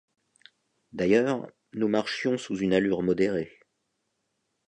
D’ailleurs, nous marchions sous une allure modérée.